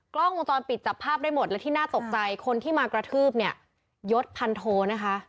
กล้องวงจรปิดจับภาพได้หมดและที่น่าตกใจคนที่มากระทืบเนี่ยยศพันโทนะคะ